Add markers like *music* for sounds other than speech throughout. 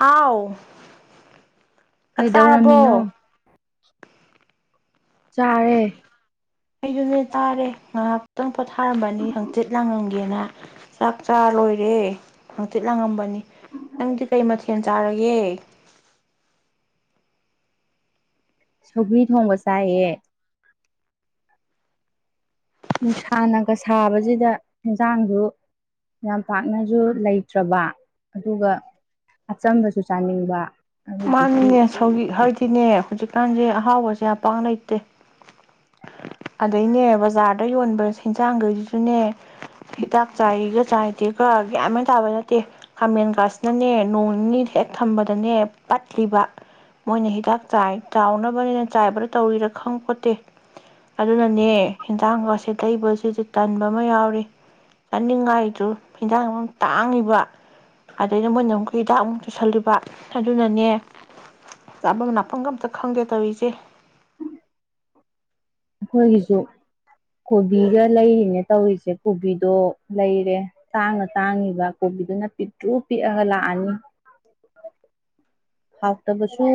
ꯍꯥꯎ ꯆꯥꯛ ꯀꯩꯗꯧꯔꯝꯃꯤꯅꯣ ꯆꯥꯔꯕꯣ ꯆꯔꯦ ꯑꯩꯗꯨꯅꯦ ꯇꯥꯔꯦ ꯉꯥꯏꯍꯥꯛꯇꯪ ꯄꯣꯊꯥꯔꯝꯕꯅꯤ ꯍꯥꯡꯆꯤꯠ ꯂꯥꯡꯉꯝꯒꯦꯅ ꯆꯥꯛ ꯆꯥ ꯂꯣꯏꯔꯦ ꯍꯥꯡꯆꯤꯠ ꯂꯥꯡꯉꯝꯕꯅꯤ ꯅꯪꯗꯤ ꯀꯩ ꯃꯊꯦꯜ ꯆꯥꯔꯒꯦ ꯁꯧꯒ꯭ꯔꯤ ꯊꯣꯡꯕ ꯆꯥꯏꯌꯦ ꯅꯨꯡꯁꯥꯅꯒ ꯁꯥꯕꯁꯤꯗ ꯑꯦꯟꯖꯥꯡꯁꯨ ꯌꯥꯝ ꯄꯥꯛꯅꯁꯨ ꯂꯩꯇ꯭ꯔꯕ ꯑꯗꯨꯒ ꯑꯆꯝꯕꯁꯨ ꯆꯥꯅꯤꯡꯕ ꯑꯗꯨꯗꯨꯒꯤ ꯃꯥꯅꯤꯅꯦ *unintelligible* ꯍꯧꯖꯤꯛ *unintelligible* ꯑꯍꯥꯎꯕꯁꯦ ꯌꯥꯝ ꯄꯥꯛ ꯂꯩꯇꯦ ꯑꯗꯩꯅꯦ ꯕꯖꯥꯔ ꯑꯌꯣꯟꯕ ꯏꯟꯁꯥꯡꯗꯨꯒꯤꯁꯨꯅꯦ ꯍꯤꯗꯥꯛ ꯆꯥꯏꯒ ꯆꯥꯏꯗꯦꯒ ꯌꯥꯝꯃꯅ ꯇꯥꯕ ꯅꯠꯇꯦ ꯈꯥꯃꯦꯟ ꯈꯁꯤꯅꯅꯦ ꯅꯣꯡ ꯅꯤꯅꯤ ꯍꯦꯛ ꯊꯝꯕꯗꯅꯦ ꯄꯠꯂꯤꯕ ꯃꯣꯏꯅ ꯍꯤꯗꯥꯛ ꯆꯥꯏ ꯆꯥꯎꯅꯕꯅꯤꯅ ꯆꯥꯏꯕꯗ ꯇꯧꯔꯤꯔ ꯈꯪ ꯄꯣꯠꯇꯦ ꯑꯗꯨꯅꯅꯦ ꯌꯦꯟꯖꯥꯡꯒꯥꯁꯦ ꯂꯩꯕꯁꯤꯗꯤ ꯇꯟꯕ ꯑꯃ ꯌꯥꯎꯔꯤ ꯆꯟꯅꯤꯡꯉꯥꯏꯗꯨ ꯍꯟꯖꯥꯡ ꯑꯃꯨꯛ ꯇꯥꯡꯉꯤꯕ ꯑꯗꯩꯗ ꯃꯣꯏꯅ ꯑꯃꯨꯛꯀ ꯍꯤꯗꯥꯛ ꯑꯃꯨꯛ ꯆꯨꯁꯜꯂꯤꯕ ꯑꯗꯨꯅꯅꯦ ꯆꯥꯐꯝ ꯅꯥꯐꯝꯒ ꯑꯝꯇ ꯈꯪꯗꯦ ꯇꯧꯔꯤꯁꯦ ꯑꯩꯈꯣꯏꯒꯤꯁꯨ ꯀꯣꯕꯤꯒ ꯂꯩꯔꯤꯅꯦ ꯇꯧꯔꯤꯁꯦ ꯀꯣꯕꯤꯗꯣ ꯂꯩꯔꯦ ꯇꯥꯡꯅ ꯇꯥꯡꯉꯤꯕ ꯀꯣꯕꯤꯗꯨꯅ ꯄꯤꯛꯇ꯭ꯔꯨ ꯄꯤꯛꯑꯒ ꯂꯥꯛꯑꯅꯤ ꯍꯥꯎꯇꯕꯁꯨ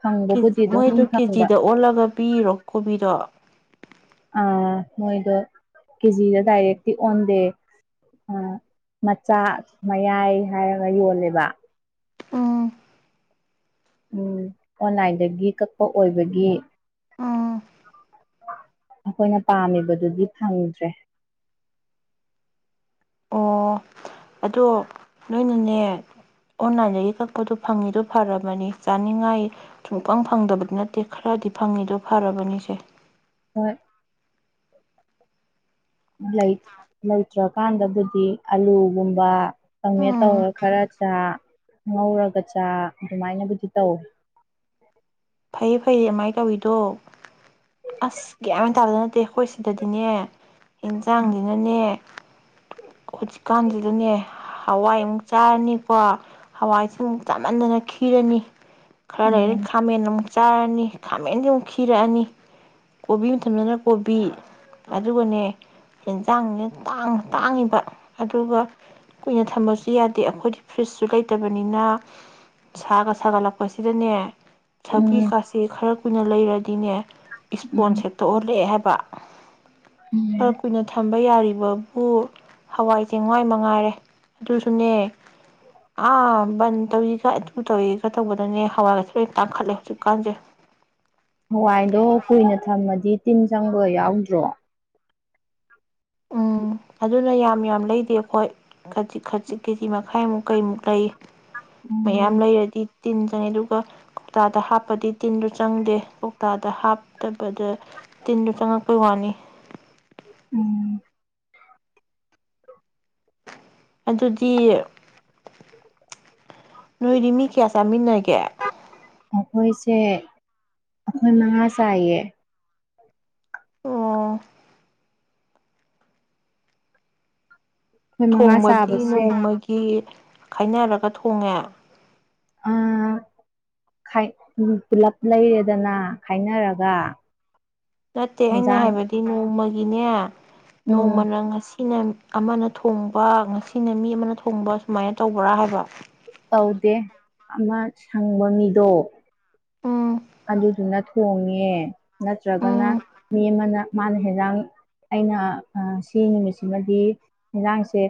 ꯐꯪꯕꯕꯨꯗꯤ *unintelligible* ꯑꯗꯨꯝ ꯃꯣꯏꯗꯨ ꯐꯪꯕ ꯀꯦꯖꯤꯗ ꯑꯣꯜꯂꯒ ꯄꯤꯔꯤꯔꯣ ꯀꯣꯕꯤꯔꯛ ꯑ ꯃꯣꯏꯗꯣ ꯀꯦꯖꯤꯗ ꯗꯥꯏꯔꯦꯛꯇꯤ ꯑꯣꯟꯗꯦ ꯃꯆꯥ ꯃꯌꯥꯏ ꯍꯥꯏꯔꯒ ꯌꯣꯜꯂꯦꯕ ꯎꯝ ꯎ ꯑꯣꯟꯂꯥꯏꯟꯗꯒꯤ ꯀꯛꯄ ꯑꯣꯏꯕꯒꯤ ꯎꯝ ꯑꯩꯈꯣꯏꯅ ꯄꯥꯝꯃꯤꯕꯗꯨꯗꯤ ꯐꯪꯗ꯭ꯔꯦ ꯑꯣ ꯑꯗꯣ ꯅꯣꯏꯅꯅꯦ ꯑꯣꯟꯂꯥꯏꯟꯗꯒꯤ ꯀꯛꯄꯗꯣ ꯐꯪꯉꯤꯗꯣ ꯐꯔꯕꯅꯤ ꯆꯥꯅꯤꯡꯉꯥꯏ ꯁꯨꯡꯄꯪ ꯐꯪꯗꯕꯗꯤ ꯅꯠꯇꯦ ꯈꯔꯗꯤ ꯐꯪꯉꯤꯗꯣ ꯐꯔꯕꯅꯤꯁꯦ ꯍꯣꯏ ꯂꯩ ꯂꯩꯇ꯭ꯔꯀꯥꯟꯗꯕꯨꯗꯤ ꯑꯂꯨꯒꯨꯝꯕ ꯀꯥꯃꯦꯠ ꯎꯝ ꯇꯧꯔ ꯈꯔ ꯆꯥ ꯉꯧꯔꯒ ꯆꯥ ꯑꯗꯨꯃꯥꯏꯅꯕꯨꯗꯤ ꯇꯧꯋꯤ ꯐꯩꯌꯦ ꯐꯩꯌꯦ ꯑꯗꯨꯃꯥꯏꯅ ꯇꯧꯋꯤꯗꯣ ꯑꯁ ꯒ꯭ꯌꯥ ꯇꯥꯕꯗ ꯅꯠꯇꯦ ꯑꯩꯈꯣꯏ ꯁꯤꯗꯗꯤꯅꯦ ꯌꯦꯟꯁꯥꯡꯁꯤꯅꯅꯦ ꯍꯧꯖꯤꯛꯀꯥꯟꯁꯤꯗꯅꯦ ꯍꯋꯥꯏꯃꯨꯛ ꯆꯥꯔꯅꯤꯀꯣ ꯍꯋꯥꯏꯁꯦ ꯑꯃꯨꯛ ꯆꯥꯟꯅꯟꯗꯅ ꯈꯤꯔꯅꯤ ꯈꯔ ꯂꯩ ꯎꯝ ꯈꯥꯃꯦꯟ ꯆꯥꯔꯅꯤ ꯈꯥꯃꯦꯟꯗꯤ ꯑꯃꯨꯛ ꯈꯤꯔꯛꯑꯅꯤ ꯀꯣꯕꯤ ꯃꯇꯝꯗꯅ ꯀꯣꯕꯤ ꯑꯗꯨꯒꯅꯦ ꯍꯦꯟꯖꯥꯡꯅ ꯇꯥꯡ ꯇꯥꯡꯉꯤꯕ ꯑꯗꯨꯒ ꯀꯨꯏꯅ ꯊꯝꯕꯁꯨ ꯌꯥꯗꯦ ꯑꯩꯈꯣꯏꯗꯤ ꯐ꯭ꯔꯤꯖꯁꯨ ꯂꯩꯇꯕꯅꯤꯅ ꯁꯥꯒ ꯁꯥꯒꯠꯂꯛꯄꯁꯤꯗꯅꯦ ꯁꯕꯤ ꯎꯝ ꯀꯥꯥꯁꯦ ꯈꯔ ꯀꯨꯏꯅ ꯂꯩꯔꯗꯤꯅꯦ ꯎꯝ ꯏꯁꯄꯣꯟ *unintelligible* *unintelligible* ꯎꯝ ꯈꯔ ꯀꯨꯏꯅ ꯊꯝꯕ ꯌꯥꯔꯤ ꯋꯥꯕꯨ ꯍꯋꯥꯏ ꯆꯦꯋꯥꯏ ꯃꯉꯥꯏꯔꯦ ꯑꯗꯨꯁꯨꯅꯦ ꯑ ꯕꯟ ꯇꯧꯏꯒ ꯑꯗꯨ ꯇꯧꯔꯤꯒ ꯇꯧꯕꯗꯅꯦ ꯍꯋꯥꯏꯒꯁꯨ ꯂꯣꯏ ꯇꯥꯡꯈꯠꯂꯦ ꯍꯧꯖꯤꯛꯀꯥꯟꯁꯦ ꯍꯋꯥꯏꯗꯣ ꯀꯨꯏꯅ ꯊꯝꯃꯗꯤ ꯇꯤꯟ ꯆꯪꯕ ꯌꯥꯎꯗ꯭ꯔꯣ ꯎꯝ ꯑꯗꯨꯅ ꯌꯥꯝ ꯌꯥꯝ ꯂꯩꯗꯦ ꯑꯩꯈꯣꯏ ꯈꯖꯤꯛ ꯈꯖꯤꯛ ꯀꯦꯖꯤ ꯃꯈꯥꯏꯃꯨꯛ ꯀꯩꯃꯨꯛ ꯂꯩꯌꯦ ꯎꯝ ꯃꯌꯥꯝ ꯂꯩꯔꯗꯤ ꯇꯤꯟ ꯆꯥꯏ ꯑꯗꯨꯒ ꯀꯣꯛꯇꯥꯗ ꯍꯥꯞꯄꯗꯤ ꯇꯤꯟꯗꯨ ꯆꯪꯗꯦ ꯀꯣꯛꯇꯥꯗ ꯍꯥꯞꯇꯕꯗ ꯇꯤꯟꯗꯨ ꯆꯪꯉꯛꯄꯩ ꯋꯥꯅꯤ꯫ ꯎꯝ ꯑꯗꯨꯗꯤ ꯅꯣꯏꯗꯤ ꯃꯤ ꯀꯌꯥ ꯆꯥꯃꯤꯟꯅꯒꯦ ꯑꯈꯣꯏꯁꯦ ꯑꯈꯣꯏ ꯃꯉꯥ ꯆꯥꯏꯌꯦ꯫ ꯑꯣ ꯃꯉꯥ ꯊꯣꯡꯕꯗꯤ ꯆꯥꯕꯁꯦ ꯅꯣꯡꯃꯒꯤ ꯈꯥꯏꯅꯔꯒ ꯊꯣꯡꯉꯦ ꯑꯥ ꯈꯥꯢ ꯄꯨꯂꯞ ꯂꯩꯔꯦꯗꯅ ꯈꯥꯏꯅꯔꯒ ꯅꯠꯇꯦ ꯑꯩꯅ ꯍꯦꯟꯖꯥꯡ ꯍꯥꯏꯕꯗꯤ ꯅꯣꯡꯃ ꯅꯤꯅꯦ ꯅꯣꯡꯃ ꯎꯝ ꯅꯪ ꯉꯁꯤ ꯅꯤꯅ ꯃꯤ ꯑꯃꯅ ꯊꯣꯡꯕꯥ ꯉꯁꯤꯅ ꯃꯤ ꯑꯃꯅ ꯊꯣꯡꯕ ꯁꯨꯃꯥꯏꯅ ꯇꯧꯕ꯭ꯔꯥ ꯍꯥꯏꯕ꯫ ꯀꯧꯗꯦ ꯑꯃ ꯁꯪꯕ ꯃꯤꯗꯣ ꯎꯝ ꯑꯗꯨꯗꯨꯅ ꯊꯣꯡꯉꯦ ꯅꯠꯇ꯭ꯔꯒꯅ ꯎꯝ ꯃꯤ ꯑꯃꯅ ꯃꯥꯅ ꯍꯦꯟꯖꯥꯡ ꯑꯩꯅ ꯑ ꯁꯤ ꯅꯨꯃꯤꯠꯁꯤꯃꯗꯤ ꯏꯟꯖꯥꯡꯁꯦ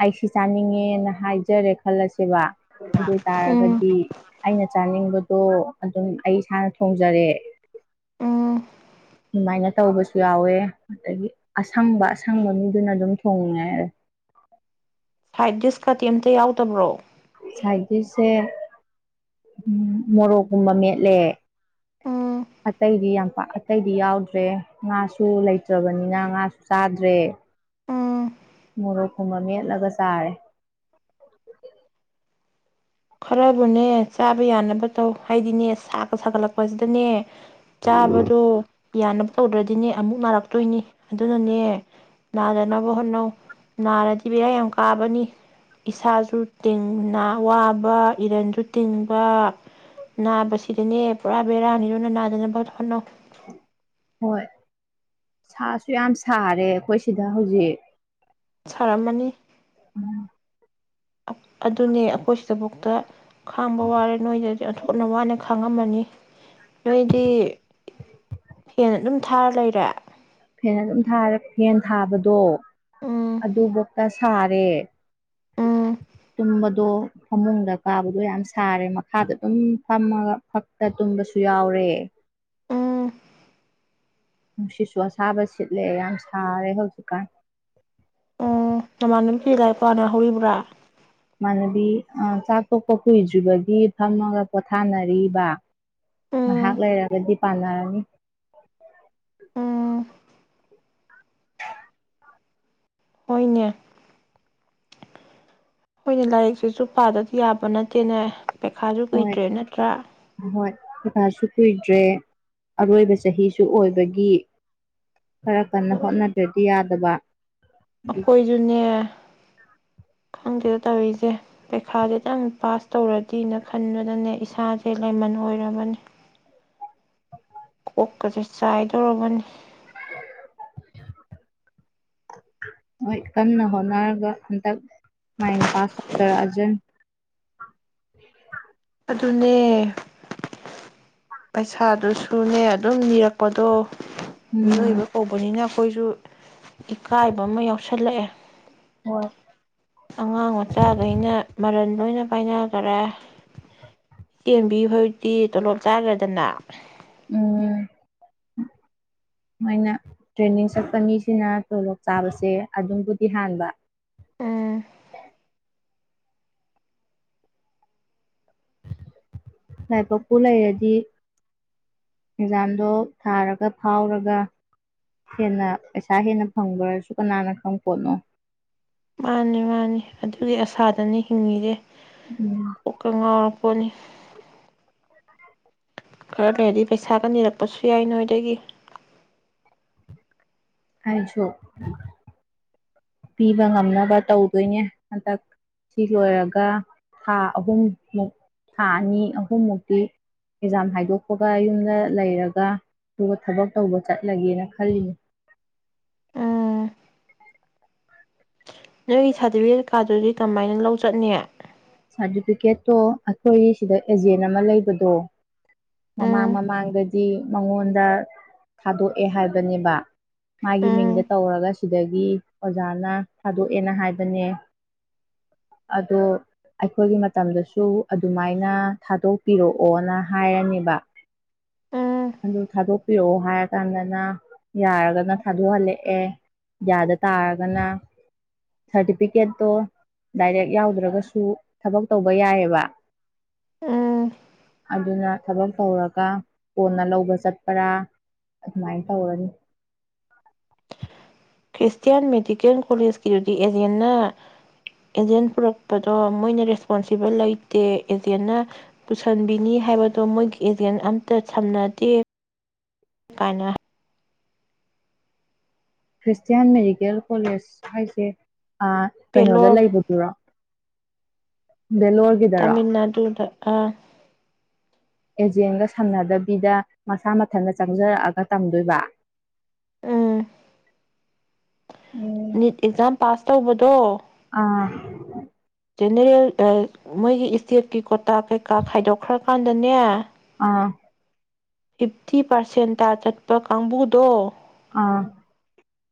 ꯑꯩ ꯁꯤ ꯆꯥꯅꯤꯡꯉꯦꯅ ꯍꯥꯏꯖꯔꯦ ꯈꯜꯂꯁꯦꯕ ꯑꯗꯣꯏ ꯎꯝ ꯇꯔꯒꯗꯤ ꯑꯩꯅ ꯆꯥꯅꯤꯡꯕꯗꯣ ꯑꯗꯨꯝ *unintelligible* ꯏꯁꯥꯅ ꯊꯣꯡꯖꯔꯦ *unintelligible* ꯗꯨꯃꯥꯏꯅ ꯇꯧꯕꯁꯨ ꯌꯥꯎꯋꯦ ꯑꯗꯒꯤ ꯑꯁꯪꯕ ꯑꯁꯪꯕ ꯃꯤꯗꯨꯅ ꯑꯗꯨꯝ ꯊꯣꯡꯌꯦ ꯁꯥꯏꯠ ꯗꯤꯁꯀꯗꯤ ꯑꯝꯇ ꯌꯥꯎꯗꯕ꯭ꯔꯣ? ꯁꯥꯏꯠ ꯗꯤꯁꯁꯦ ꯎ ꯃꯣꯔꯣꯛꯀꯨꯝꯕ ꯃꯦꯠꯂꯦ꯫ ꯎꯝ ꯑꯇꯩꯗꯤ ꯌꯥꯝ ꯄꯥ ꯑꯇꯩꯗꯤ ꯌꯥꯎꯗ꯭ꯔꯦ ꯉꯥꯁꯨ ꯂꯩꯇ꯭ꯔꯕꯅꯤꯅ ꯉꯥꯁꯨ ꯆꯥꯗ꯭ꯔꯦ ꯎꯝ ꯃꯣꯔꯣꯛꯀꯨꯝꯕ ꯃꯦꯠꯂꯒ ꯆꯥꯔꯦ꯫ ꯈꯔꯕꯨꯅꯦ ꯆꯥꯕ ꯌꯥꯅꯕ ꯇꯧ ꯍꯥꯏꯗꯤꯅꯦ ꯁꯥꯒ ꯁꯥꯒꯠꯂꯛꯄꯁꯤꯗꯅꯦ ꯆꯥꯕꯗꯣ ꯌꯥꯅꯕ ꯇꯧꯗ꯭ꯔꯗꯤꯅꯦ ꯑꯃꯨꯛ ꯅꯥꯔꯛꯇꯣꯏꯅꯤ ꯑꯗꯨꯅ ꯏꯅꯦ ꯅꯥꯗꯅꯕ ꯍꯣꯠꯅꯧ ꯅꯥꯔꯗꯤ ꯕꯦꯔꯥ ꯌꯥꯝ ꯀꯥꯕꯅꯤ ꯏꯁꯥꯁꯨ ꯇꯦꯟꯅ ꯋꯥꯕ *unintelligible* ꯏꯔꯟꯁꯨ ꯇꯤꯡꯕ ꯅꯥꯕꯁꯤꯗꯅꯦ ꯄꯨꯔꯥ ꯕꯦꯔꯥꯅꯤꯗꯨꯅ ꯅꯥꯗꯅꯕ ꯍꯣꯠꯅꯧ ꯍꯣꯏ ꯁꯥꯁꯨ ꯌꯥꯝ ꯁꯥꯔꯦ ꯑꯈꯣꯏ ꯁꯤꯗ ꯍꯧꯖꯤꯛ ꯇꯔꯝꯃꯅꯤ ꯎꯝ ꯑꯗꯨꯅꯦ ꯑꯩꯈꯣꯏ ꯁꯤꯗꯕꯧꯛꯇ ꯈꯥꯡꯕ ꯋꯥꯔꯦ ꯅꯣꯏꯗꯗꯤ ꯑꯣꯟꯊꯣꯛꯅ ꯋꯥꯅꯥ ꯐꯪꯉꯝꯃꯅꯤ ꯅꯣꯏꯗꯤ ꯐꯦꯟ ꯑꯗꯨꯝ ꯊꯥꯔ ꯂꯩꯔꯦ ꯐꯦꯟ ꯑꯗꯨꯝ ꯊꯥꯔ ꯐꯦꯟ ꯊꯥꯕꯗꯣ ꯎꯝ ꯑꯗꯨ ꯕꯣꯛꯇ ꯁꯥꯔꯦ ꯎꯝ *unintelligible* ꯗꯣ ꯐꯃꯨꯡꯗ ꯀꯥꯕꯗꯣ ꯌꯥꯝ ꯁꯥꯔꯦ ꯃꯈꯥꯗ ꯑꯗꯨꯝ ꯐꯝꯃꯒ ꯐꯛꯇ ꯇꯨꯝꯕꯁꯨ ꯌꯥꯎꯔꯦ ꯎꯝ ꯅꯨꯡꯁꯤꯠꯁꯨ ꯑꯁꯥꯕ ꯁꯤꯠꯂꯦ ꯌꯥꯝ ꯁꯥꯔꯦ ꯍꯧꯖꯤꯛꯀꯥꯟ꯫ ꯎꯝ ꯅꯃꯥꯟꯅꯕꯤ ꯁꯤꯡꯗꯤ ꯂꯥꯏꯔꯤꯛꯄꯅ ꯍꯧꯔꯤꯕ꯭ꯔꯥ ꯏꯃꯥꯟꯅꯕꯤ ꯆꯥꯛ ꯇꯣꯛꯄ ꯀꯨꯏꯗ꯭ꯔꯤꯕꯒꯤ ꯐꯝꯃꯒ ꯄꯣꯊꯥꯅꯔꯤꯕ ꯉꯥꯏꯍꯥꯛ ꯎꯝ ꯂꯩꯔꯒꯗꯤ ꯄꯥꯅꯔꯅꯤ ꯎꯝ ꯍꯣꯏꯅꯦ ꯍꯣꯏꯅꯦ ꯂꯥꯏꯔꯤꯛꯁꯤꯁꯨ ꯄꯥꯗꯗꯤ ꯌꯥꯕ ꯅꯠꯇꯦꯅꯦ ꯄꯩꯈꯥꯁꯨ ꯍꯣꯏ ꯀꯨꯏꯗ꯭ꯔꯦ ꯅꯠꯇ꯭ꯔꯥ ꯍꯣꯏ ꯄꯩꯈꯥꯁꯨ ꯀꯨꯏꯗ꯭ꯔꯦ ꯑꯔꯣꯏꯕ ꯆꯍꯤꯁꯨ ꯑꯣꯏꯕꯒꯤ ꯈꯔ ꯀꯟꯅ ꯍꯣꯠꯅꯗ꯭ꯔꯗꯤ ꯌꯥꯗꯕ ꯑꯗꯨꯒꯤ ꯑꯩꯈꯣꯏꯖꯨꯅꯦ ꯈꯪꯗꯦꯗ ꯇꯧꯔꯤꯖꯦ ꯄꯩꯈꯥꯗꯨꯇꯪ ꯄꯥꯁ ꯇꯧꯔꯗꯤꯅ ꯈꯟꯕꯗꯅꯦ ꯏꯁꯥꯁꯦ ꯂꯩꯃꯟ ꯑꯣꯏꯔꯕꯅꯦ ꯀꯣꯛꯀꯖꯦ ꯆꯥꯏꯗꯧꯔꯕꯅꯤ ꯍꯣꯏ ꯀꯟꯅ ꯍꯣꯠꯅꯔꯒ ꯍꯟꯗꯛ ꯃꯥꯏꯅ ꯄꯥꯁ ꯇꯧꯖꯔꯛꯑꯖꯅꯤ ꯑꯗꯨꯅꯦ ꯄꯩꯁꯥꯗꯨꯁꯨꯅꯦ ꯑꯗꯨꯝ ꯅꯤꯔꯛꯄꯗꯣ ꯎꯝ ꯃꯤꯑꯣꯏꯕ ꯀꯧꯕꯅꯤꯅ ꯈꯣꯏꯖꯨ꯫ ꯏꯀꯥꯏꯕ ꯑꯃ ꯌꯥꯎꯁꯜꯂꯛꯑꯦ꯫ ꯍ ꯑꯉꯥꯡ ꯃꯆꯥꯒꯩꯅ ꯃꯔꯟ ꯂꯣꯏꯅ ꯄꯥꯏꯅꯒꯔꯦ ꯇꯦꯝꯕꯤ ꯍꯣꯏꯗꯤ ꯇꯣꯂꯣꯞ ꯆꯥꯒ꯭ꯔꯦꯗꯅ꯫ ꯎꯝ ꯃꯣꯏꯅ ꯇ꯭ꯔꯦꯟꯅꯤꯡ ꯆꯠꯄ ꯃꯤꯁꯤꯅ ꯇꯣꯂꯣꯞ ꯆꯥꯕꯁꯦ ꯑꯗꯨꯝꯕꯨꯗꯤ ꯍꯥꯟꯕ꯫ *inaudible* ꯎꯝ ꯂꯥꯏꯕꯛꯄꯨ ꯂꯩꯔꯗꯤ ꯑꯦꯛꯖꯥꯝꯗꯣ ꯊꯥꯔꯒ ꯐꯥꯎꯔꯒ ꯍꯦꯟꯅ ꯄꯩꯁꯥ ꯍꯦꯟꯅ ꯐꯪꯕ꯭ꯔꯁꯨ ꯀꯅꯥꯅ ꯈꯪꯄꯣꯠꯅꯣ꯫ ꯃꯥꯅꯤ ꯃꯥꯅꯤ ꯑꯗꯨꯒꯤ ꯑꯁꯥꯗꯅꯤ ꯍꯤꯡꯉꯤꯖꯦ꯫ ꯎꯝ ꯀꯣꯛꯀ ꯉꯥꯎ ꯄꯣꯅꯤ꯫ ꯈꯔ ꯂꯩꯔꯗꯤ ꯄꯩꯁꯥꯒ ꯅꯤꯔꯛꯄꯁꯨ ꯌꯥꯏ ꯅꯣꯏꯗꯒꯤ꯫ ꯑꯩꯁꯨ꯫ ꯄꯤꯕ ꯉꯝꯅꯕ ꯇꯧꯗꯣꯏꯅꯦ ꯍꯟꯗꯛ ꯁꯤ ꯂꯣꯏꯔꯒ ꯊꯥ ꯑꯍꯨꯝꯃꯨꯛ ꯊꯥ ꯑꯅꯤ ꯑꯍꯨꯝꯃꯨꯛꯇꯤ ꯑꯦꯛꯖꯥꯝ ꯍꯥꯏꯗꯣꯛꯄꯒ ꯌꯨꯝꯗ ꯂꯩꯔꯒ ꯑꯗꯨꯒ ꯊꯕꯛ ꯇꯧꯕ ꯆꯠꯂꯒꯦꯅ ꯈꯜꯂꯤ꯫ ꯎꯝ ꯅꯣꯏꯒꯤ ꯁꯥ꯭ꯔꯇꯤꯐꯤꯀꯦꯠ ꯀꯥꯏꯗꯨꯗꯤ ꯀꯃꯥꯏꯅ ꯂꯧ ꯆꯠꯅꯤ꯫ ꯁꯥꯔꯇꯤꯐꯤꯀꯦꯠꯇꯣ ꯑꯩꯈꯣꯏ ꯁꯤꯗ ꯑꯦꯖꯦꯟ ꯑꯃ ꯂꯩꯕꯗꯣ ꯃꯃꯥꯡ ꯎꯝ ꯃꯃꯥꯡꯗꯗꯤ ꯃꯉꯣꯟꯗ ꯊꯥꯗꯣꯛꯑꯦ ꯍꯥꯏꯕꯅꯦꯕ ꯃꯥꯒꯤ ꯃꯤꯡꯗ ꯎꯝ ꯇꯧꯔꯒ ꯁꯤꯗꯒꯤ ꯑꯣꯖꯥꯅ ꯊꯥꯗꯣꯛꯑꯦꯅ ꯍꯥꯏꯕꯅꯦ ꯑꯗꯣ ꯑꯩꯈꯣꯏꯒꯤ ꯃꯇꯝꯗꯁꯨ ꯑꯗꯨꯃꯥꯏꯅ ꯊꯥꯗꯣꯛꯄꯤꯔꯛꯑꯣꯅ ꯍꯥꯏꯔꯅꯦꯕ ꯎꯝ ꯑꯗꯨ ꯊꯥꯗꯣꯛꯄꯤꯔꯛꯑꯣ ꯍꯥꯏꯔꯀꯥꯟꯗꯅ ꯌꯥꯔꯒꯅ ꯊꯥꯗꯣꯛꯍꯜꯂꯛꯑꯦ ꯌꯥꯗ ꯇꯥꯔꯒꯅ ꯁꯥꯔꯇꯤꯐꯤꯀꯦꯠꯇꯣ ꯗꯥꯏꯔꯦꯛ ꯌꯥꯎꯗ꯭ꯔꯒꯁꯨ ꯊꯕꯛ ꯇꯧꯕ ꯌꯥꯏꯌꯦꯕ ꯎꯝ ꯑꯗꯨꯅ ꯊꯕꯛ ꯇꯧꯔꯒ ꯀꯣꯟꯅ ꯂꯧꯕ ꯆꯠꯄ꯭ꯔ ꯑꯗꯨꯃꯥꯏꯅ ꯇꯧꯔꯅꯤ꯫ ꯈ꯭ꯔꯤꯁꯇꯤꯌꯟ ꯃꯦꯗꯤꯀꯦꯜ ꯀꯣꯂꯦꯖꯀꯤꯗꯨꯗꯤ ꯑꯦꯖꯦꯟꯅ ꯑꯦꯖꯦꯟ ꯄꯨꯔꯛꯄꯗꯣ ꯃꯣꯏꯅ ꯔꯦꯁꯄꯣꯟꯁꯤꯕꯜ ꯂꯩꯇꯦ ꯑꯦꯖꯦꯟꯅ ꯄꯨꯁꯟꯕꯤꯅꯤ ꯍꯥꯏꯕꯗꯣ ꯃꯣꯏꯒꯤ ꯑꯦꯖꯦꯟ ꯑꯝꯇ ꯁꯝꯅꯗꯦ ꯀꯥꯏꯅ꯫ ꯈ꯭ꯔꯤꯁꯇꯤꯌꯟ ꯃꯦꯗꯤꯀꯦꯜ ꯀꯣꯂꯦꯖ ꯍꯥꯏꯁꯦ ꯑ ꯀꯩꯅꯣꯗ ꯄꯦꯂꯣꯔ ꯂꯩꯕꯗꯨꯔꯣ ꯕꯦꯂꯣꯔꯒꯤꯗꯔ ꯑꯥ ꯑꯦꯖꯦꯟꯒ ꯁꯥꯅꯗꯕꯤꯗ ꯃꯁꯥ ꯃꯊꯟꯇ ꯆꯪꯖꯔꯛꯑꯒ ꯇꯝꯗꯣꯏꯕ ꯎꯝ ꯎꯝ ꯅꯤꯠ ꯑꯦꯛꯖꯥꯝ ꯄꯥꯁ ꯇꯧꯕꯗꯣ ꯑꯥ ꯖꯦꯅꯦꯔꯦꯜ ꯃꯣꯏ-ꯃꯣꯏꯒꯤ ꯏ꯭ꯁꯇꯦꯠꯀꯤ ꯀꯣꯇꯥ ꯀꯩꯀꯥ ꯈꯥꯏꯗꯣꯛꯈ꯭ꯔꯀꯥꯟꯗꯅꯦ ꯑꯥ ꯐꯤꯞꯇꯤ ꯄꯥꯔꯁꯦꯟꯇ ꯆꯠꯄ ꯀꯥꯡꯕꯨꯗꯣ ꯑꯥ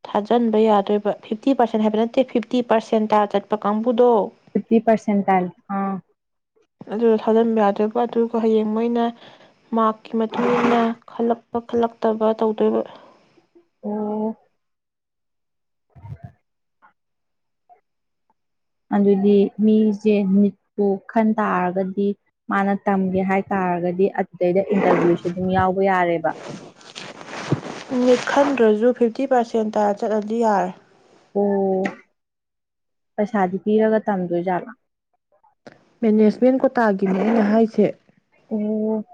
ꯊꯥꯖꯤꯟꯕ ꯌꯥꯗꯣꯏꯕ ꯐꯤꯞꯇꯤ ꯄꯥꯔꯁꯦꯟ ꯍꯥꯏꯕ ꯅꯠꯇꯦ ꯐꯤꯐꯇꯤ ꯄꯥꯔꯁꯦꯟ ꯇ ꯆꯠꯄ ꯀꯥꯡ ꯐꯤꯐꯇꯤ ꯄꯔꯁꯦꯟꯜ ꯑꯥ ꯑꯗꯨꯗ ꯊꯥꯖꯤꯟꯕ ꯌꯥꯗꯣꯏꯕ ꯑꯗꯨꯒ ꯍꯌꯦꯡ ꯃꯣꯏꯅ ꯃꯔꯀꯤ ꯄꯈꯠꯂꯛꯇꯕ ꯇꯧꯗꯣꯏꯕ ꯑꯣ ꯎ *inaudible* ꯑꯗꯨꯗꯤ ꯃꯤꯁꯦ ꯅꯤꯠꯄꯨ ꯈꯟ ꯇꯥꯔꯒꯗꯤ ꯃꯥꯅ ꯇꯝꯒꯦ ꯍꯥꯏ ꯇꯥꯔꯒꯗꯤ ꯑꯗꯨꯗꯩꯗ ꯏꯟꯇꯔꯚꯤꯌꯨꯁꯦ ꯑꯗꯨꯝ ꯌꯥꯎꯕ ꯌꯥꯔꯦꯕ ꯃꯤꯠ ꯈꯟꯗ꯭ꯔꯁꯨ ꯐꯤꯞꯇꯤ ꯄꯥꯔꯁꯦꯟꯇ ꯆꯠꯂꯗꯤ ꯌꯥꯔꯦ ꯑꯣ ꯄꯩꯁꯥꯗꯤ ꯄꯤꯔꯒ ꯇꯝꯗꯣꯏꯖꯥꯠꯂꯥ ꯃꯦꯅꯦꯖꯃꯦꯟ ꯀꯣꯇꯥꯒꯤꯅꯦ ꯑꯩꯅ ꯍꯥꯏꯁꯦ ꯑꯣ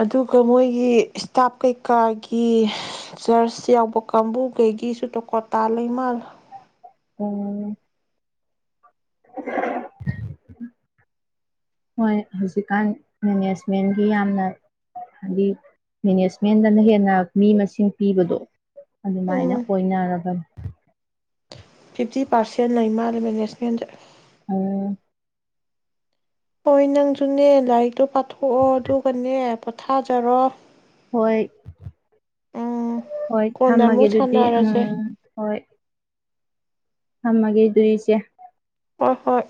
ꯑꯗꯨꯒ ꯃꯣꯏꯒꯤ ꯏꯁꯇꯥꯞ ꯀꯩꯀꯥꯒꯤ ꯆꯔꯆ ꯌꯥꯎꯕ ꯀꯥꯡꯕꯨꯈꯩꯒꯤꯁꯨ ꯇꯣꯀꯣꯇꯥ ꯂꯩꯃꯜ ꯎꯝ ꯍꯣꯏ ꯍꯧꯖꯤꯛꯀꯥꯟ ꯃꯦꯅꯦꯖꯃꯦꯟꯒꯤ ꯌꯥꯝꯅ ꯍꯥꯏꯗꯤ ꯃꯦꯅꯦꯖꯃꯦꯟꯗꯅ ꯍꯦꯟꯅ ꯃꯤ ꯃꯁꯤꯡ ꯄꯤꯕꯗꯣ ꯑꯗꯨꯃꯥꯏꯅ ꯎꯝ ꯑꯣꯏꯅꯔꯕꯅꯤ ꯐꯤꯞꯇꯤ ꯄꯥꯔꯁꯦꯟ ꯂꯩ ꯃꯥꯂꯦ ꯃꯦꯅꯦꯖꯃꯦꯟꯖꯦ ꯑ ꯍꯣꯏ ꯅꯪꯁꯨꯅꯦ ꯂꯥꯏꯔꯤꯛꯇꯣ ꯄ ꯊꯣꯛꯑꯣ ꯑꯗꯨꯒꯅꯦ ꯄꯣꯊꯥꯖꯔꯣ ꯍꯣꯏ ꯎꯝ ꯍꯣꯏ ꯀꯣꯟꯅ ꯊꯝꯃꯒꯦ ꯑꯃꯨꯛ ꯑꯗꯨꯗꯤ ꯁꯥꯟꯅꯔꯁꯦ ꯎꯝ ꯍꯣꯏ ꯍꯃꯒꯦꯗꯔꯤꯁꯦ ꯑ ꯍꯣꯏ